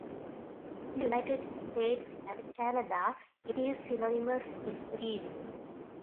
In the United States and Canada it is synonymous with a viewing.